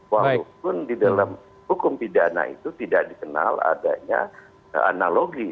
walaupun di dalam hukum pidana itu tidak dikenal adanya analogi